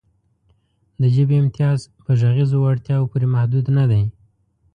د ژبې امتیاز په غږیزو وړتیاوو پورې محدود نهدی.